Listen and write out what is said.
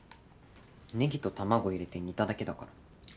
ネギと卵入れて煮ただけだから。